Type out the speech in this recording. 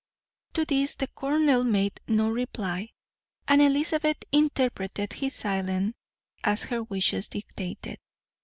To this the Colonel made no reply, and Elizabeth interpreted his silence as her wishes dictated.